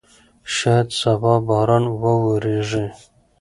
شاید سبا باران وورېږي.